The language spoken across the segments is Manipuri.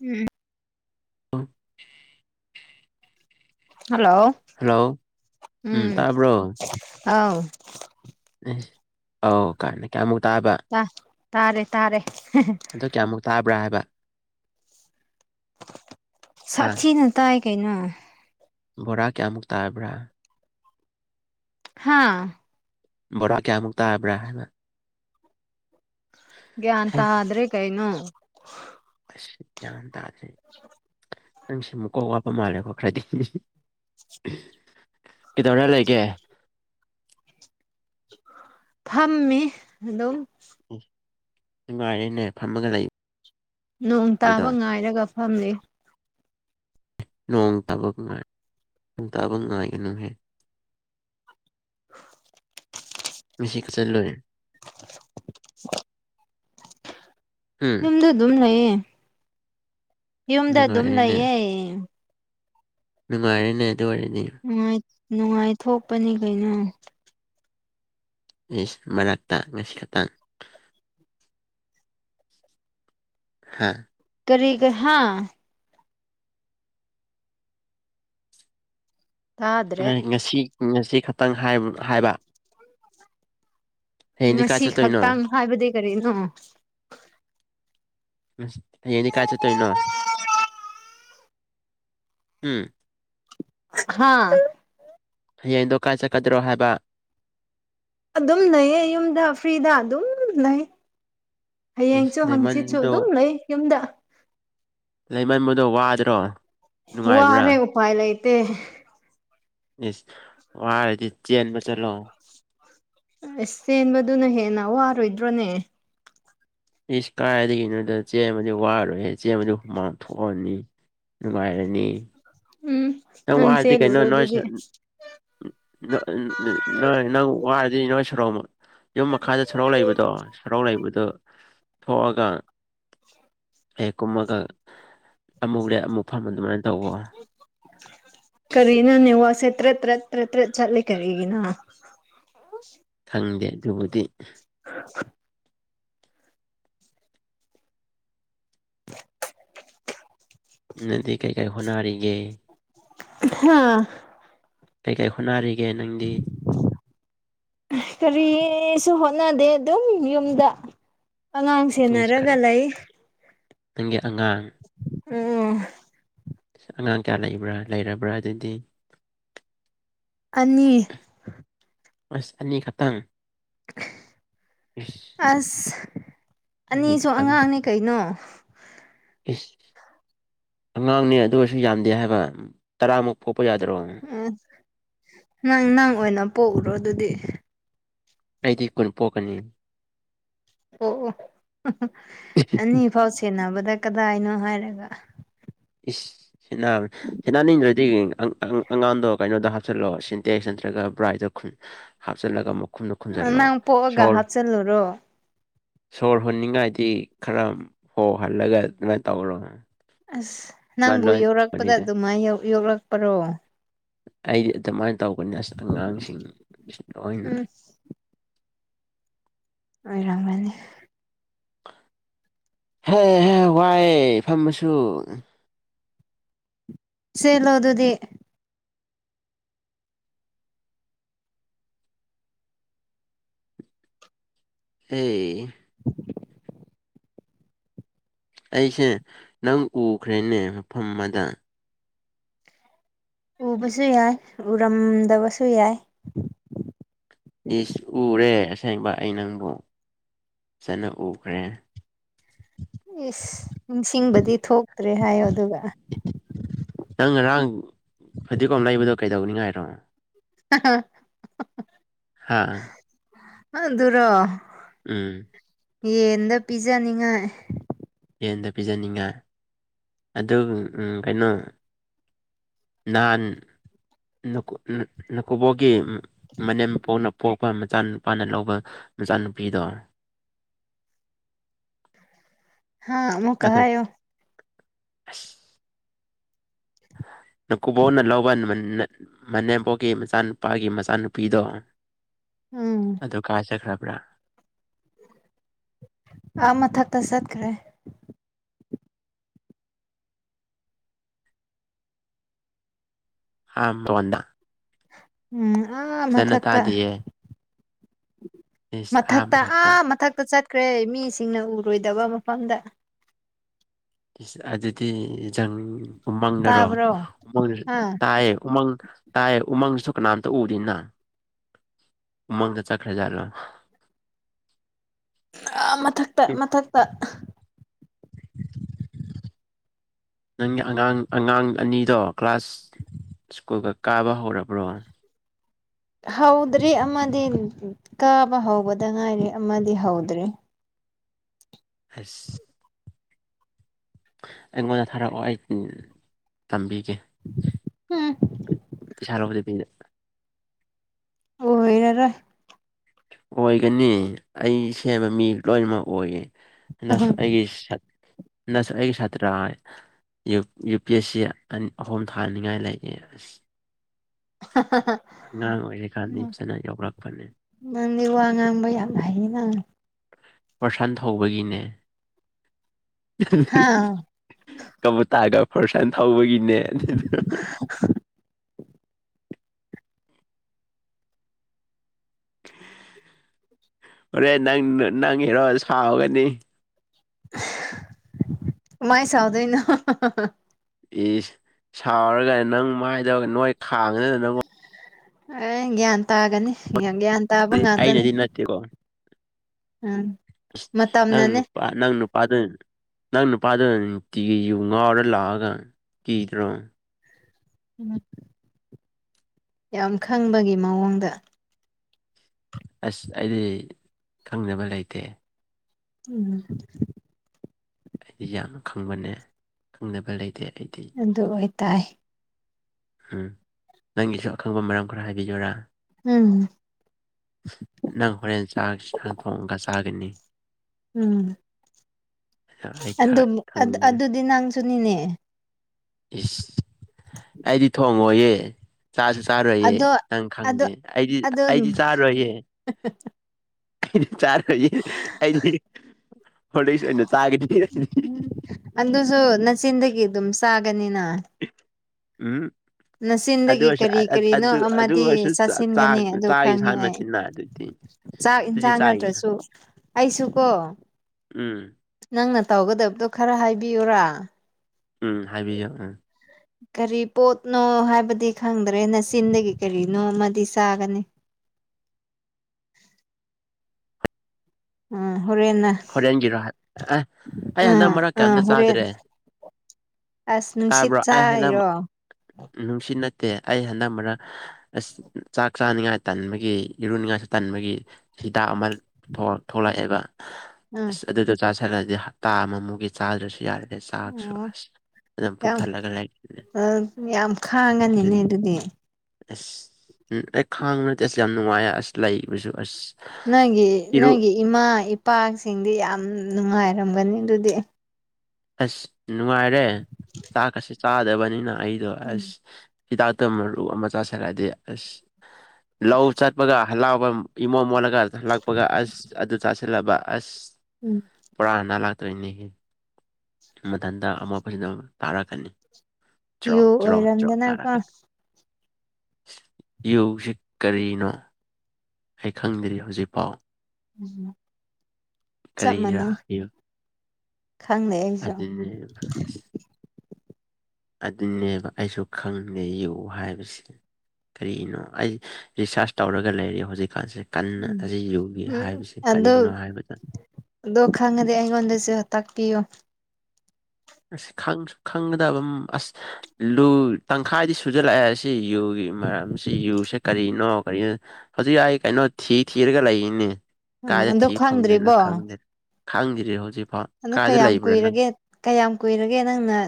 ꯎꯝ [inaudible] ꯍꯜꯂꯣ ꯍꯜꯂꯣ ꯎꯝ ꯑꯥꯎ ꯑꯧ ꯀꯥꯟꯅ ꯀꯌꯥꯃꯨꯛ ꯇꯥꯕ ꯇ ꯇꯥꯔꯦ ꯇꯥꯔꯦ ꯑꯗꯣ ꯀꯌꯥꯃꯨꯛ ꯇꯥꯕ꯭ꯔꯥ ꯍꯥꯏꯕ ꯍꯥ ꯁꯥꯊꯤꯅ ꯇꯥꯏ ꯀꯩꯅꯣ ꯕꯣꯔꯥ ꯀꯌꯥꯃꯨꯛ ꯇꯥꯕ꯭ꯔꯥ ꯍꯥꯥ ꯕꯣꯔꯥ ꯀꯌꯥꯃꯨꯛ ꯇꯥꯕ꯭ꯔꯥ ꯍꯥꯏꯅ ꯒꯤꯌꯥꯇ ꯍꯥꯗ꯭ꯔꯦ ꯀꯩꯩꯅꯣ ꯒꯌ꯭ꯥꯟ ꯇꯥꯗꯦ ꯅꯪꯁ ꯑꯃꯨꯛꯀꯣꯛ ꯋꯥꯄ ꯃꯥꯜꯂꯦꯀꯣ ꯈꯔꯗꯤ ꯀꯩꯗꯧꯔ ꯂꯩꯒꯦ ꯐꯝꯃꯤ ꯑꯗꯨꯝ ꯅꯨꯡ ꯉꯔꯦꯅꯦ ꯐꯝꯃꯒ ꯂꯩ ꯅꯣꯡ ꯇꯥꯕ ꯉꯥꯏꯔꯒ ꯐꯝꯂꯤ ꯅꯣꯡ ꯇꯥꯕ ꯉꯥꯏ ꯅꯣꯡ ꯇꯥꯕ ꯉꯥꯏꯒꯅꯨꯍꯦ ꯃꯤꯁꯤꯛ ꯆꯠꯂꯣꯏꯔꯦ [inaudible] ꯎꯝ ꯌꯨꯝꯗ ꯑꯗꯨꯝ ꯂꯩꯌꯦ ꯌꯨꯝꯗ ꯑꯗꯨꯝ ꯅꯨꯡꯉꯥꯏꯔꯦꯅꯦ ꯂꯩꯌꯦ ꯅꯨꯡꯉꯥꯏꯔꯦꯅꯦ ꯑꯗꯨ ꯑꯣꯏꯔꯗꯤ ꯅꯨꯡꯉꯥꯏ ꯅꯨꯡꯉꯥꯏꯊꯣꯛꯄꯅꯤ ꯀꯩꯅꯣ ꯃꯔꯛꯇ ꯉꯁꯤ ꯈꯛꯇꯪ ꯍꯥꯥ ꯀꯔꯤꯒ ꯍꯥꯥ ꯇꯥꯗ꯭ꯔꯦ ꯉꯁꯤ ꯉꯁꯤ ꯈꯛꯇꯪ ꯍꯥꯏꯕ ꯍꯌꯦꯡꯗꯤ ꯀꯥꯏ ꯉꯁꯤ ꯆꯠꯇꯣꯏꯅꯣ ꯈꯛꯇꯥꯡ ꯍꯥꯏꯕꯗꯤ ꯀꯔꯤꯅꯣ ꯉꯁꯤ ꯍꯌꯦꯡꯗꯤ ꯀꯥꯏ ꯆꯠꯇꯣꯏꯅꯣ ꯎꯝ ꯍꯥꯥ ꯍꯌꯦꯡꯗꯣ ꯀꯥꯏ ꯆꯠꯀꯗ꯭ꯔꯣ ꯍꯥꯏꯕ ꯑꯗꯨꯝ ꯂꯩꯌꯦ ꯌꯨꯝꯗ ꯐ꯭ꯔꯤꯗ ꯑꯗꯨꯝ ꯂꯩ ꯏꯁ ꯍꯌꯦꯡꯁꯨ ꯍꯪꯆꯤꯠꯁꯨ ꯑꯗꯨꯝ ꯂꯩꯃꯟꯗꯣ ꯂꯩ ꯌꯨꯝꯗ ꯂꯩꯃꯟꯕꯗꯣ ꯋꯥꯗ꯭ꯔꯣ ꯋꯥꯔꯦ ꯅꯨꯡꯉꯥꯏꯕ꯭ꯔꯥ ꯎꯄꯥꯏ ꯂꯩꯇ‌ꯦ ꯏꯁ ꯋꯥꯔꯗꯤ ꯆꯦꯟꯕ ꯆꯠꯂꯣ ꯑꯁ ꯆꯦꯟꯕꯗꯨꯅ ꯍꯦꯟꯅ ꯋꯥꯔꯣꯏꯗ꯭ꯔꯣꯅꯦ ꯏꯁ ꯀꯥꯏꯗꯒꯤꯅꯣꯗ ꯆꯦꯟꯕꯗꯤ ꯋꯥꯔꯣꯏꯍ‌ꯦ ꯆꯦꯟꯕꯗꯤ ꯍꯨꯃꯥꯡ ꯊꯣꯛꯑꯝꯅꯤ ꯅꯨꯡꯉꯥꯏꯔꯅꯤ ꯎꯝ ꯅꯪ ꯁꯦꯜꯂꯨꯔꯣ ꯑꯗꯨꯗꯤ ꯅꯪ ꯅꯣꯏ ꯅꯪ ꯋꯥꯔꯗꯤ ꯅꯣꯏ ꯁꯣꯔ‌ꯣꯛ ꯌꯨꯝ ꯃꯈꯥꯗ ꯁ‌ꯣꯔ‌ꯣꯛ ꯂꯩꯕꯗꯣ ꯁ‌ꯣꯔ‌ꯣꯛ ꯂꯩꯕꯗꯨ ꯊꯣꯛꯑꯒ ꯍ‌ꯦꯛ ꯀꯨꯝꯃꯒ ꯑꯃꯨꯛ ꯂꯦꯞ ꯑꯃꯨꯛ ꯐꯝ ꯑꯗꯨꯃꯥꯏꯅ ꯇꯧꯌ‌ꯣ ꯀꯔꯤꯅ‌ꯣꯅ‌ꯦ ꯋꯥꯁꯦ ꯇꯔ‌ꯦꯠ ꯇꯔ‌ꯦꯠ ꯇꯔ‌ꯦꯠ ꯇꯔ‌ꯦꯠ ꯆꯠꯂꯤ ꯀꯔꯤꯒꯤꯅ‌ꯣ ꯈꯪꯗꯦ ꯑꯗꯨꯕꯨꯗꯤ [unintelligible] ꯅꯪꯗꯤ ꯀꯩ ꯀꯩ ꯍꯣꯠꯅꯔꯤꯒꯦ ꯍꯥꯥ ꯀꯩ ꯀꯩ ꯍꯣꯠꯅꯔꯤꯒꯦ ꯅꯪꯗꯤ ꯀꯔꯤꯌ‌ꯦꯁꯨ ꯍꯣꯠꯅꯗꯦ ꯑꯗꯨꯝ ꯌꯨꯝꯗ ꯑꯉꯥꯡ ꯅꯤꯁ ꯈꯔ ꯁꯦꯟꯅꯔꯒ ꯂꯩ ꯅꯪꯒꯤ ꯑꯉꯥꯡ ꯎꯝ ꯑꯉꯥꯡ ꯀꯌꯥ ꯂꯩꯕ꯭ꯔꯥ ꯂꯩꯔꯕ꯭ꯔꯥ ꯑꯗꯨꯗꯤ ꯑꯅꯤ ꯑꯁ ꯑꯅꯤ ꯈꯛꯇꯪ ꯏꯁ ꯑꯁ ꯑꯅꯤ ꯑꯅꯤꯁꯨ ꯈꯛꯇꯪ ꯑꯉꯥꯡꯅꯦ ꯀꯩꯅꯣ ꯏꯁ ꯑꯉꯥꯡꯅꯦ ꯑꯗꯨ ꯑꯣꯏꯁꯨ ꯌꯥꯝꯗꯦ ꯍꯥꯏꯕ ꯇꯔꯥꯃꯨꯛ ꯄꯣꯛꯄ ꯌꯥꯗ꯭ꯔꯣ ꯎ ꯅꯪ ꯅꯪ ꯑꯣꯏꯅ ꯄꯣꯛꯎꯔꯣ ꯑꯗꯨꯗꯤ ꯑꯩꯗꯤ ꯀꯨꯟ ꯄꯣꯛꯀꯅꯤ ꯄ‌ꯣꯛꯑꯣ ꯑꯅꯤ ꯐꯥꯎ ꯁꯦꯟꯅꯕꯗ ꯀꯗꯥꯏꯅꯣ ꯍꯥꯏꯔꯒ ꯏꯁ ꯁ‌ꯦꯟꯅꯕ ꯁ‌ꯦꯟꯅꯅꯤꯡꯗ꯭ꯔꯗꯤ ꯑꯪ ꯑꯪ ꯑꯉꯥꯡꯗꯣ ꯀꯩꯅꯣꯗ ꯍꯥꯞꯆꯤꯜꯂꯣ ꯁꯤꯟꯇꯦꯛꯁ ꯅꯠꯇ꯭ꯔꯒ ꯕ꯭ꯔꯥꯏꯠꯗ ꯈꯨꯟ ꯍꯥꯞꯆꯜꯂꯒ ꯃꯈꯨꯝꯗ‌ꯣ ꯈꯨꯝꯖꯜꯂꯣ ꯅꯪ ꯄꯣꯛꯑꯒ ꯁꯣꯔ ꯍꯥꯞꯆꯤꯜꯂꯨꯔꯣ ꯁꯣꯔ ꯍ‌ꯣꯟꯅꯤꯉꯥꯏꯗꯤ ꯈꯔ ꯍꯣꯍꯜꯂꯒ ꯑꯗꯨꯃꯥꯏꯟ ꯇꯧꯔꯣ ꯑꯁ ꯅꯪꯕꯨ ꯂꯣꯏꯅ ꯌ‌ꯣꯛꯔꯛꯄꯗ ꯇꯧꯅꯤꯗ ꯑꯗꯨꯃꯥꯏꯟ ꯌ‌ꯣꯛ ꯌ‌ꯣꯛꯂꯛꯄꯔꯣ ꯑꯩꯗꯤ ꯑꯗꯨꯃꯥꯏꯅ ꯇꯧꯕꯅ‌ꯦ ꯑꯁ ꯑꯉꯥꯡꯁꯤꯡ ꯁꯤ ꯂ‌ꯣꯏꯅ ꯎꯝ ꯑꯣꯏꯔꯝꯃꯅꯤ ꯍꯦ ꯍ‌ꯦ ꯋꯥꯏꯑꯦ ꯐꯝꯕꯁꯨ ꯆ‌ꯦꯜꯂꯣ ꯑꯗꯨꯗꯤ ꯑꯦ [unintelligible] ꯑꯩꯁꯦ ꯅꯪ ꯎꯈ꯭ꯔꯦꯅꯦ ꯃꯐꯝ ꯑꯃꯗ ꯎꯕꯁꯨ ꯌꯥꯏ ꯎꯔꯝꯗꯕꯁꯨ ꯌꯥꯏ ꯏꯁ ꯎꯔꯦ ꯑꯁꯦꯡꯕ ꯑꯩ ꯅꯪꯕꯨ ꯐꯖꯅ ꯎꯈ꯭ꯔꯦ ꯏꯁ ꯅꯤꯡꯁꯤꯡꯕꯗꯤ ꯊꯣꯛꯇ꯭ꯔꯦ ꯍꯥꯏꯌꯣ ꯑꯗꯨꯒ ꯅꯪ ꯉꯔꯥꯡ ꯐꯗꯤꯒꯣꯝ ꯂꯩꯕꯗꯣ ꯀꯩꯗꯧꯅꯤꯉꯥꯏꯔꯣ [unintelligible] ꯍꯥꯥ ꯑꯗꯨꯨꯔꯣ ꯎꯝ ꯌꯦꯟꯗ ꯄꯤꯖꯅꯤꯡꯉꯥꯏ ꯌꯦꯟꯗ ꯄꯤꯖꯅꯤꯡꯉꯥꯏ ꯑꯗꯨꯝ ꯎꯝ ꯀꯩꯅꯣ ꯅꯥꯍꯟ ꯅꯀꯨꯠ ꯅꯀꯨꯕꯣꯛꯒꯤ ꯃꯅꯦꯝ ꯄꯣꯛꯅ ꯄꯣꯛꯄ ꯃꯆꯥꯅꯨꯄꯥꯅ ꯂꯧꯕ ꯃꯆꯥꯅꯨꯄꯤꯗꯣ ꯍꯥꯥ ꯑꯃꯨꯛꯀ ꯑꯗꯨ ꯍꯥꯏꯌꯣ ꯑꯁ ꯅꯀꯨꯕ‌ꯣꯛꯅ ꯂꯧꯕ ꯃꯅꯦ ꯃꯅꯦꯝꯕꯣꯛꯒꯤ ꯃꯆꯥꯅꯨꯄꯥꯒꯤ ꯃꯆꯥꯅꯨꯄꯤꯗꯣ ꯎꯝ ꯑꯗꯣ ꯀꯥꯏ ꯆꯠꯈ꯭ꯔꯥꯕ꯭ꯔꯥ ꯑꯥ ꯃꯊꯛꯇꯥ ꯆꯠꯈ꯭ꯔꯦ [unintelligible] ꯎꯝ ꯑꯥ ꯐꯖꯅ ꯃꯥꯊꯛꯇ ꯇꯥꯗꯤꯌꯦ ꯏꯁ ꯑꯥ ꯃꯊꯛꯇ ꯑꯥ ꯃꯊꯛꯇ ꯆꯠꯈ꯭ꯔꯦ ꯃꯤꯁꯤꯡꯅ ꯎꯔꯣꯏꯗꯕ ꯃꯐꯝꯗ ꯏꯁ ꯑꯗꯨꯗꯤ ꯖꯟ ꯎꯃꯪꯅꯔꯣ ꯇꯥꯕ꯭ꯔꯣ ꯑꯥ [unintelligible] ꯇꯥꯏꯌꯦ ꯎꯃꯪ ꯇꯥꯏꯌꯦ ꯎꯃꯪꯁꯨ ꯀꯅꯥꯝꯇ ꯎꯗꯦꯅ ꯎꯃꯪꯗ ꯆꯠꯈ꯭ꯔꯖꯥꯠꯂꯥ ꯑꯥ ꯃꯊꯛꯇ ꯃꯊꯛꯇ ꯅꯪꯒꯤ ꯑꯉꯥꯡ ꯑꯉꯥꯡ ꯑꯅꯤꯗꯣ ꯀ꯭ꯂꯥꯁ ꯁ꯭ꯀꯨꯜꯒ ꯀꯥꯕ ꯍꯧꯔꯕ꯭ꯔꯣ ꯍꯧꯗ꯭ꯔꯤ ꯑꯃꯗꯤ ꯀꯥꯕ ꯍꯧꯕꯗ ꯉꯥꯏꯔꯤ ꯑꯃꯗꯤ ꯍꯧꯗ꯭ꯔꯤ ꯍꯩꯁ ꯑꯩꯉꯣꯟꯗ ꯊꯥꯔꯛꯑꯣ ꯑꯩ ꯇꯝꯕꯤꯒꯦ ꯍꯝ ꯄꯩꯁꯥ ꯂꯧꯕꯗꯤꯗ ꯑꯣꯏꯔꯔꯣꯏ ꯑꯣꯏꯒꯅꯤ ꯑꯩ ꯁꯦꯝꯕ ꯃꯤ ꯂꯣꯏꯅꯃꯛ ꯑꯣꯏꯌꯦ ꯅꯁꯨ ꯑꯩꯒꯤ ꯁꯛ ꯅꯁꯨ ꯑꯩꯒꯤ ꯁꯥꯇ꯭ꯔꯥ ꯌꯨ ꯌꯨꯄꯤ ꯑꯦꯁ ꯁꯤ ꯑꯥꯟ ꯑꯍꯨꯝ ꯊꯥꯅꯤꯡꯉꯥꯏ ꯂꯩꯅꯦ ꯑꯁ [unintelligible] ꯑꯉꯥꯡ ꯑꯣꯏꯔꯤꯀꯥꯟꯗꯤ ꯎꯝ ꯐꯖꯅ ꯌꯥꯎꯔꯛꯄꯅꯦ ꯅꯪꯗꯤ ꯋꯥ ꯉꯥꯡꯕ ꯌꯥꯝ ꯍꯩꯌꯦꯅ ꯐꯣꯔꯁꯥꯟ ꯊꯧꯕꯒꯤꯅꯦ ꯍꯥ ꯀꯕꯨꯇꯥꯥꯒ ꯐꯣꯔꯁꯟ ꯊꯧꯕꯒꯤꯅꯦ ꯑꯗꯨꯗꯨ [unintelligible] ꯍꯣꯔꯦꯟ ꯅꯪ ꯅꯪ ꯍꯦꯔꯣ ꯁꯥꯎꯒꯅꯤ ꯀꯃꯥꯏꯟ ꯁꯥꯎꯗꯣꯏꯅꯣ ꯏꯁ ꯁꯥꯎꯔꯒ ꯅꯪ ꯃꯥꯏꯗꯧ ꯅꯣꯏ ꯈꯥꯡꯉꯅ ꯅꯉꯣꯟ ꯑꯥꯏ ꯒꯌꯥꯟ ꯇꯒꯅꯤ ꯌꯒꯌꯥꯟ [unintelligible] ꯑꯩꯅꯗꯤ ꯅꯠꯇꯦ ꯀꯣ ꯎꯝ ꯅꯪ ꯃꯇꯝꯅꯅꯦ ꯅꯨꯄꯥ ꯅꯪ ꯅꯨꯄꯥ ꯗꯨꯅ ꯅꯪ ꯅꯨꯄꯥꯗꯨꯅ ꯅꯨꯡꯇꯤꯒꯤ ꯌꯨ ꯉꯥꯎꯔ ꯂꯥꯛꯑꯒ ꯀꯤꯗ꯭ꯔꯣ [unintelligible] ꯌꯥꯝ ꯈꯪꯕꯒꯤ ꯃꯑꯣꯡꯗ ꯑꯁ ꯑꯩꯗꯤ ꯈꯪꯗꯕ ꯂꯩꯇꯦ ꯎꯝ ꯑꯩꯗꯤ ꯌꯥꯝ ꯈꯪꯕꯅꯦ ꯈꯪꯗꯕ ꯂꯩꯇꯦ ꯑꯩꯗꯤ ꯑꯗꯨ ꯑꯣꯏꯇꯥꯥꯏ ꯎꯝ ꯅꯪꯒꯤꯁꯨ ꯑꯈꯪꯕ ꯃꯔꯝ ꯈꯔ ꯍꯥꯏꯕꯤꯌꯨꯔꯥ ꯎꯝ ꯅꯪ ꯍꯣꯔꯦꯟ ꯆꯥꯛ ꯁꯥ ꯊꯣꯡꯉꯒ ꯆꯥꯒꯅꯤ ꯎꯝ ꯑꯗꯣ ꯑꯩ ꯈꯔ ꯑꯗꯨꯃꯨꯛ ꯑꯗꯨ ꯈꯪꯒꯦ ꯑꯗꯨꯗꯤ ꯅꯪꯁꯨꯨꯅꯤꯅꯦ ꯏꯁ ꯑꯩꯗꯤ ꯊꯣꯡꯉꯣꯏꯌꯦ ꯆꯥꯁꯨ ꯆꯥꯔꯣꯏꯌꯦ ꯑꯗꯣ ꯅꯪ ꯑꯗꯣ ꯈꯪꯗꯦ ꯑꯩꯗꯤ ꯑꯗꯨ ꯑꯩꯗꯤ ꯆꯥꯔꯣꯏꯌꯦ ꯑꯩꯗꯤ ꯆꯥꯔꯣꯏꯌꯦ ꯑꯩꯗꯤ ꯍꯣꯔꯂꯤꯛꯁ ꯑꯣꯏꯅ ꯆꯥꯒꯅꯤ ꯑꯗꯨꯁꯨ ꯅꯆꯤꯟꯗꯒꯤ ꯑꯗꯨꯝ ꯆꯥꯒꯅꯤꯅ ꯏ ꯎꯝ ꯑꯗꯨ ꯅꯆꯤꯟꯗꯒꯤ ꯑꯣꯏꯔꯁꯨ ꯑ ꯀꯔꯤ ꯑ ꯀꯔꯤꯅꯣ ꯑꯗꯨ ꯑꯗꯨ ꯑꯃꯗꯤ ꯑꯣꯏꯔꯁꯨ ꯆꯥ ꯆꯥꯁꯤꯟꯒꯅꯤ ꯆꯥꯛ ꯑꯗꯨ ꯆꯥꯛ ꯈꯪꯉꯦ ꯌꯦꯟꯁꯥꯡ ꯑꯩ ꯅꯇꯦꯅꯥ ꯑꯗꯨꯗꯤ ꯆꯥꯛ ꯑꯗꯨꯗꯤ ꯏꯟꯁꯥꯡ ꯆꯥꯛ ꯅꯠꯇ꯭ꯔꯁꯨ ꯑꯩꯁꯨ ꯀꯣ ꯎꯝ ꯅꯪꯅ ꯇꯧꯒꯗꯕꯗꯣ ꯈꯔ ꯍꯥꯏꯕꯤꯌꯨꯔꯥ ꯎꯝ ꯍꯥꯏꯕꯤꯌꯨ ꯎꯝ ꯀꯔꯤ ꯄꯣꯠꯅꯣ ꯍꯥꯏꯕꯗꯤ ꯈꯪꯗ꯭ꯔꯦꯅꯦ ꯆꯤꯟꯗꯒꯤ ꯀꯔꯤꯅꯣ ꯑꯃꯗꯤ ꯆꯥꯒꯅꯤ ꯎꯝ ꯍꯣꯔꯦꯟꯅ ꯍꯣꯔꯦꯟꯒꯤꯔꯣ ꯍ ꯑꯦ ꯑꯩ ꯍꯟꯗꯛ ꯎꯝ ꯃꯔꯛ ꯎꯝ ꯀꯩꯝꯇ ꯍꯣꯔꯦꯟ ꯆꯥꯗ꯭ꯔꯦ ꯑꯁ ꯅꯨꯡꯁꯤꯠ ꯆꯥꯔꯤꯔꯣ ꯅꯨꯡꯁꯤꯠ ꯅꯠꯇꯦ ꯑꯩ ꯍꯟꯗꯛ ꯃꯔꯛ ꯑꯁ ꯆꯥꯛ ꯆꯥꯅꯤꯡꯉꯥꯏ ꯇꯟꯕꯒꯤ ꯏꯔꯨꯅꯤꯡꯉꯥꯏꯁꯨ ꯇꯟꯕꯒꯤ ꯍꯤꯗꯥꯛ ꯑꯃ [unintelligible] ꯊꯣꯛꯂꯛꯑꯦꯕ ꯎꯝ ꯑꯁ ꯑꯗꯨꯗꯣ ꯆꯥꯥꯁꯜꯂꯗꯤ ꯍꯞꯇꯥ ꯑꯃꯃꯨꯛꯀꯤ ꯆꯥꯗ꯭ꯔꯁꯨ ꯌꯥꯔꯅꯤ ꯆꯥꯛꯁꯨ ꯑꯣ ꯑꯁ ꯑꯗꯨꯝ ꯄꯨꯛ ꯌꯥꯝ ꯊꯜꯂꯒ ꯂꯩ ꯑ ꯌꯥꯝ ꯈꯥꯡꯉꯅꯤꯅꯦ ꯎꯝ ꯑꯗꯨꯗꯤ ꯑꯁ ꯎꯝ ꯑꯦ ꯈꯥꯡꯕ ꯅꯠꯇꯦ ꯑꯁ ꯌꯥꯝ ꯅꯨꯡꯉꯥꯏꯌꯦ ꯑꯁ ꯂꯩꯕꯁꯨ ꯑꯁ ꯅꯪꯒꯤ ꯏꯔꯨ ꯅꯪꯒꯤ ꯏꯃꯥ ꯏꯄꯥꯁꯤꯡꯗꯤ ꯌꯥꯝ ꯅꯨꯡꯉꯥꯏꯔꯝꯒꯅꯤ ꯑꯗꯨꯗꯤ ꯑꯁ ꯅꯨꯡꯉꯥꯏꯔꯦ ꯆꯥꯛꯀꯁꯤ ꯆꯥꯗꯕꯅꯤꯅ ꯑꯩꯗꯣ ꯎꯝ ꯑꯁ ꯍꯤꯗꯥꯛꯇꯣ ꯃꯔꯨ ꯑꯃ ꯆꯥꯁꯤꯜꯂꯗꯤ ꯑꯁ ꯂꯧ ꯆꯠꯄꯒ ꯍꯜꯂꯛꯑꯕ ꯏꯃꯣꯠ ꯃꯣꯠꯂꯒ ꯍꯜꯂꯛꯄꯒ ꯑꯁ ꯑꯗꯨ ꯆꯥ ꯁꯤꯜꯂꯕ ꯑꯁ ꯎꯝ ꯄꯨꯔꯥ ꯅꯥꯂꯛꯇꯣꯏꯅꯤꯍꯦ ꯃꯊꯟꯇ ꯑꯃꯣꯠꯄꯁꯤ ꯗꯨꯝ ꯇꯥꯔꯛꯀꯅꯤ ꯌꯨ ꯆ꯭ꯔꯣꯡ ꯆ꯭ꯔꯣꯡ ꯆ꯭ꯔꯣꯡ ꯑꯣꯏꯔꯝꯗꯅꯀꯣ ꯇꯥꯔꯛꯀꯅꯤ ꯌꯨꯁꯤ ꯀꯔꯤꯅꯣ ꯑꯩ ꯈꯪꯗ꯭ꯔꯤ ꯍꯧꯖꯤꯛꯐꯥꯎ [inaudible] ꯆꯞ ꯀꯔꯤꯔꯥ ꯃꯥꯟꯅꯩ ꯌꯨ ꯈꯪꯗꯦ ꯑꯩꯁꯨ ꯎꯝ ꯑꯗꯨꯅꯦꯕ ꯑꯩꯁꯨ ꯈꯪꯗꯦ ꯌꯨ ꯍꯥꯏꯕꯁꯤ ꯀꯔꯤꯅꯣ ꯑꯩ ꯔꯤꯁꯥꯔꯁ ꯇꯧꯔꯒ ꯂꯩꯔꯦ ꯍꯧꯖꯤꯛꯀꯥꯟꯁꯦ ꯀꯟꯅ ꯎꯝ ꯑꯁꯤ ꯌꯨꯒꯤ ꯎꯝ ꯍꯥꯏꯕꯁꯤ ꯑꯗꯨ ꯀꯔꯤꯒꯤꯅꯣ ꯍꯥꯏꯕꯗ ꯑꯗꯣ ꯈꯪꯉꯗꯤ ꯑꯩꯉꯣꯟꯗꯁꯨ ꯇꯥꯛꯄꯤꯌꯨ ꯑꯁ ꯈꯪꯗꯦ ꯈꯪꯒꯗꯕ ꯑꯁ ꯂꯨ ꯇꯪꯈꯥꯏꯗꯤ ꯁꯨꯖꯜꯂꯛꯑꯦ ꯁꯤ ꯌꯨꯒꯤ ꯃꯔꯝꯁꯤ ꯌꯨꯁꯤ ꯀꯔꯤꯅꯣ ꯀꯔꯤꯅꯣ ꯍꯧꯖꯤꯛ ꯑꯩ ꯀꯩꯅꯣ ꯊꯤ ꯊꯤꯔꯒ ꯂꯩꯔꯤꯅꯤ ꯎꯝ ꯀꯥꯏꯗ ꯑꯗꯣ ꯊꯤ ꯐꯪꯗꯣꯏꯅꯣ ꯈꯪꯗ꯭ꯔꯤꯕꯣ ꯈꯪꯗꯦ ꯈꯪꯗ꯭ꯔꯤ ꯍꯧꯖꯤꯛꯐꯥꯎ ꯑꯗꯨ ꯀꯥꯏꯗ ꯀꯌꯥꯝ ꯂꯩꯕ꯭ꯔꯥ ꯅꯪ ꯀꯨꯏꯔꯒꯦ ꯀꯌꯥꯝ ꯀꯨꯏꯔꯒꯦ ꯅꯪꯅ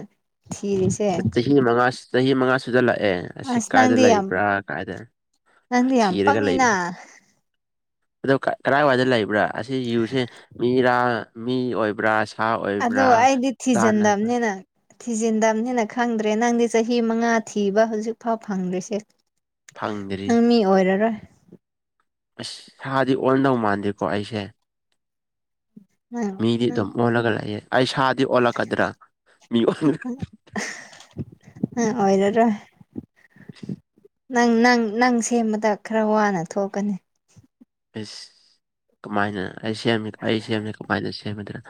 ꯊꯤꯔꯤꯁꯦ ꯆꯍꯤ ꯃꯉꯥ ꯆꯍꯤ ꯃꯉꯥ ꯁꯨꯖꯂꯛꯑꯦ ꯑꯁꯤ ꯑꯁ ꯀꯥꯏꯗ ꯅꯪꯗꯤ ꯌꯥꯝ ꯂꯩꯕ꯭ꯔꯥ ꯀꯥꯏꯗ ꯅꯪꯗꯤ ꯌꯥꯝ ꯊꯤꯔꯒ ꯄꯪꯉꯤꯅ ꯂꯩꯕꯁꯦ ꯑꯗꯣ ꯀ ꯀꯗꯥꯥꯏꯋꯥꯏꯗ ꯂꯩꯕ꯭ꯔꯥ ꯑꯁꯤ ꯌꯨꯁꯦ ꯃꯤꯔꯥ ꯃꯤ ꯑꯣꯏꯕ꯭ꯔꯥ ꯁꯥ ꯑꯣꯏꯕ꯭ꯔꯥ ꯆꯥꯅꯕ ꯊꯤꯖꯟꯗꯕꯅꯤꯅ ꯊꯤꯖꯤꯟꯗꯕꯅꯤꯅ ꯈꯪꯗ꯭ꯔꯦ ꯅꯪꯗꯤ ꯆꯍꯤ ꯃꯉꯥ ꯊꯤꯕ ꯍꯧꯖꯤꯛ ꯐꯥꯎ ꯐꯪꯗ꯭ꯔꯤꯁꯦ ꯐꯪꯗ꯭ꯔꯤ ꯅꯪ ꯃꯤ ꯑꯣꯏꯔꯥꯔꯣꯏ ꯑꯁ ꯍꯥꯗꯤ ꯑꯣꯟꯗꯧ ꯃꯥꯟꯗꯦꯀꯣ ꯑꯩꯁꯦ ꯎꯝ ꯃꯤꯗꯤ ꯑꯗꯨꯝ ꯑꯣꯜꯂꯒ ꯂꯩꯌꯦ ꯑꯩ ꯁꯥꯗꯤ ꯑꯣꯜꯂꯛꯀꯗ꯭ꯔꯥ ꯃꯤ ꯅꯪ ꯑꯣꯏꯔꯔꯣꯏ ꯅꯪ ꯅꯪ ꯅꯪ ꯁꯦꯝꯕꯗ ꯈꯥꯔ ꯋꯥꯅ ꯊꯣꯛꯀꯅꯤ ꯏꯁ ꯀꯃꯥꯏꯅ ꯑꯩ ꯁꯦꯝ ꯑꯩ ꯁꯦꯝꯕꯖꯦ ꯀꯃꯥꯏꯅ ꯁꯦꯝꯒꯗꯔ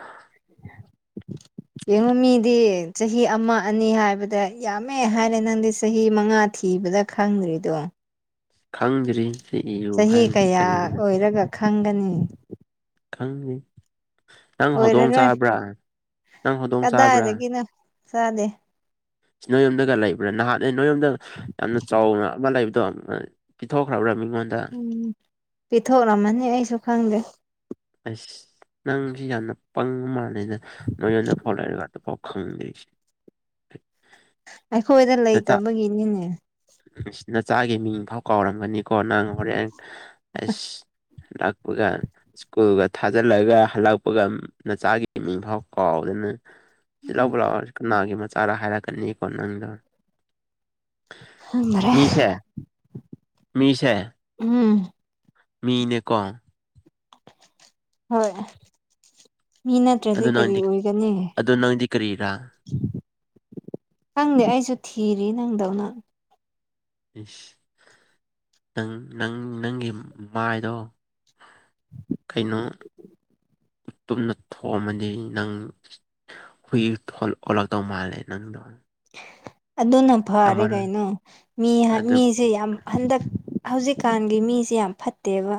[inaudible] ꯌꯦꯡꯉꯨ ꯃꯤꯗꯤ ꯆꯍꯤ ꯑꯃ ꯑꯅꯤ ꯍꯥꯏꯕꯗ ꯌꯥꯝꯃꯦ ꯍꯥꯏꯔꯦ ꯅꯪꯗꯤ ꯆꯍꯤ ꯃꯉꯥ ꯊꯤꯕꯗ ꯈꯪꯗ꯭ꯔꯤꯗꯣ ꯈꯪꯗ꯭ꯔꯤ ꯁꯤ ꯏꯌꯨ ꯆꯍꯤ ꯍꯥꯏꯕꯁꯤ ꯀꯌꯥ ꯀꯔꯤꯅ ꯑꯣꯏꯔꯒ ꯈꯪꯒꯅꯤ ꯈꯪꯅꯤ ꯅꯪ ꯍꯧꯗꯣꯡ ꯑꯣꯏꯔꯔꯣꯏ ꯆꯥꯕ꯭ꯔꯥ ꯅꯪ ꯍꯧꯗꯣꯡ ꯆꯥꯕ꯭ꯔꯥ ꯀꯗꯥꯏꯗꯒꯤꯅꯣ ꯆꯥꯗꯦ ꯅꯣꯏ ꯌꯨꯝꯗꯒ ꯂꯩꯕ꯭ꯔꯥ ꯅꯍꯥꯟꯅꯦ ꯅꯣꯏ ꯌꯨꯝꯗ ꯌꯥꯝ ꯆꯥꯎꯅ ꯑꯃꯥ ꯂꯩꯕꯗꯣ ꯄꯤꯊꯣꯛꯈ꯭ꯔꯕ꯭ꯔꯥ ꯃꯤꯉꯣꯟꯗ ꯄꯤꯊꯣꯛꯂꯝꯃꯅꯤ ꯑꯩꯁꯨ ꯈꯪꯗꯦ ꯑꯁ ꯅꯪꯁꯤ ꯌꯥꯝꯅ ꯄꯪꯕ ꯃꯥꯜꯂꯦꯗ ꯅꯣꯏ ꯌꯨꯝꯗ ꯐꯥꯎ ꯂꯩꯔꯒ ꯑꯗꯨ ꯐꯥꯎ ꯈꯪꯗꯦ ꯑꯩꯈꯣꯏꯗ ꯂꯩꯇꯕꯒꯤꯅꯤꯅꯦ ꯑꯁ ꯅꯆꯥꯒꯤ ꯃꯤꯡ ꯐꯥꯎ ꯀꯥꯎꯔꯝꯒꯅꯤꯀꯣ ꯅꯪ ꯍꯣꯔꯦꯟ ꯑꯁ ꯂꯥꯛꯄꯒ ꯁ꯭ꯀꯨꯜꯒ ꯊꯥꯖꯤꯜꯂꯒ ꯍꯜꯂꯛꯄꯒ ꯅꯆꯥꯒꯤ ꯃꯤꯡ ꯐꯥꯎ ꯀꯥꯎꯗꯅ ꯎꯝ ꯂꯧꯕ ꯂꯥꯛꯑꯣ ꯀꯅꯥꯒꯤ ꯃꯆꯥꯔ ꯍꯥꯏꯔꯛꯀꯅꯤꯀꯣ ꯅꯪꯗꯣ ꯈꯪꯗꯔꯦ ꯃꯤꯁꯦ ꯃꯤꯁꯦ ꯎꯝ ꯃꯤꯅꯦꯀꯣ ꯍꯣꯏ ꯃꯤ ꯅꯠꯇ꯭ꯔꯥꯗꯤ ꯑꯗꯨ ꯀꯔꯤ ꯅꯪꯗꯤ ꯑꯣꯏꯒꯅꯤ ꯑꯗꯨ ꯅꯪꯗꯤ ꯀꯔꯤꯔꯥ ꯈꯪꯗꯦ ꯑꯩꯁꯨ ꯊꯤꯔꯤ ꯅꯪꯗꯧꯅ ꯏꯁ ꯅꯪ ꯅꯪ ꯅꯪꯒꯤ ꯃꯥꯏꯗꯣ ꯀꯩꯅꯣ ꯇꯨꯝꯅ ꯊꯣꯡꯃꯗꯤ ꯅꯪ ꯍꯨꯏ ꯑꯣꯜꯂꯛꯇꯧ ꯃꯥꯜꯂꯦ ꯅꯪꯗꯣ ꯑꯗꯨꯅ ꯐꯥꯔꯦ ꯑꯃꯔꯣꯝ ꯀꯩꯅꯣ ꯃꯤ ꯍꯥꯏ ꯑꯗꯨ ꯃꯤ ꯁꯤ ꯌꯥꯝ ꯍꯟꯗꯛ ꯍꯧꯖꯤꯛꯀꯥꯟꯒꯤ ꯃꯤꯁꯦ ꯌꯥꯝ ꯐꯠꯇꯦꯕ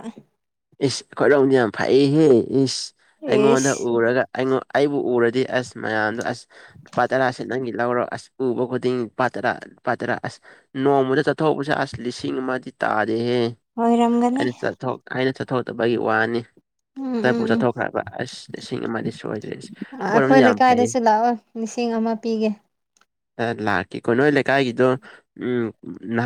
ꯏꯁ ꯑꯈꯣꯏꯔꯣꯝꯗꯤ ꯌꯥꯝ ꯐꯩꯍꯦ ꯏꯁ ꯑꯩꯉꯣꯟꯗ ꯑꯦꯁ ꯎꯔꯥꯒ ꯑꯩꯉꯣꯡ ꯑꯩꯕꯨ ꯎꯔꯗꯤ ꯑꯁ ꯃꯌꯥꯝꯗꯣ ꯑꯁ ꯂꯨꯄꯥ ꯇꯔꯥꯁꯦ ꯅꯪꯒꯤ ꯂꯧꯔꯣ ꯑꯁ ꯎꯕ ꯈꯨꯗꯤꯡ ꯂꯨꯄꯥ ꯇꯔꯥ ꯂꯨꯄꯥ ꯇꯔꯥ ꯑꯁ ꯅꯣꯡꯃꯗ ꯆꯠꯊꯧꯕꯁꯦ ꯑꯁ ꯂꯤꯁꯤꯡ ꯑꯃꯥꯗꯤ ꯇꯥꯗꯦꯍꯦ ꯑꯣꯏꯔꯝꯒꯅꯤ ꯑꯩꯅ ꯆꯠꯊꯣꯛ ꯑꯩꯅ ꯆꯠꯊꯣꯛꯇꯕꯒꯤ ꯋꯥꯅꯦ ꯎꯝ ꯆꯠꯄꯨ ꯎꯝ ꯎꯝ ꯆꯠꯊꯣꯛꯈ꯭ꯔꯕ ꯑꯁ ꯂꯤꯁꯤꯡ ꯑꯃꯥꯗꯤ ꯁꯣꯏꯗ꯭ꯔꯦ ꯑꯩꯈꯣꯏ ꯑꯈꯣꯏꯔꯣꯝꯗꯤ ꯌꯥꯝ ꯐꯩꯌꯦ ꯂꯩꯀꯥꯏꯗꯁꯨ ꯂꯥꯛꯑꯣ ꯂꯤꯁꯤꯡ ꯑꯃꯥ ꯄꯤꯒꯦ ꯑꯥ ꯂꯥꯛꯀꯦꯀꯣ ꯅꯣꯏ ꯂꯩꯀꯥꯏꯒꯤꯗꯣ ꯎꯝ ꯅꯞ